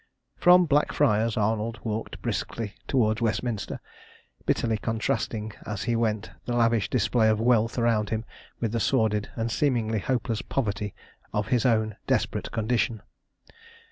From Blackfriars Arnold walked briskly towards Westminster, bitterly contrasting as he went the lavish display of wealth around him with the sordid and seemingly hopeless poverty of his own desperate condition.